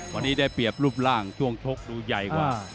วันนี้ได้เปรียบรูปร่างช่วงชกดูใหญ่กว่า